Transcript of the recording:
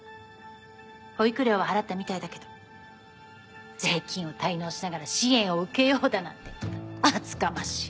保育料は払ったみたいだけど税金を滞納しながら支援を受けようだなんて厚かましい。